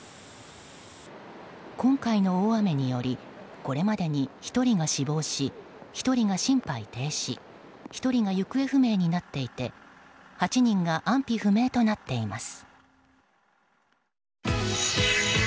今回の大雨によりこれまでに１人が死亡し１人が心肺停止１人が行方不明になっていて８人が安否不明となっています。